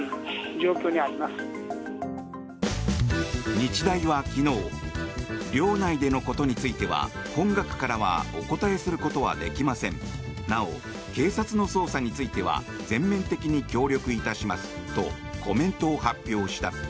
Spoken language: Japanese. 日大は昨日寮内でのことについては本学からはお答えすることはできませんなお、警察の捜査については全面的に協力いたしますとコメントを発表した。